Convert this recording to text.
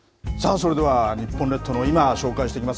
それでは、日本列島の今、紹介していきます。